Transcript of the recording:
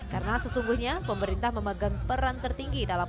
karena sesungguhnya pemerintah memegang peran tertinggi dalam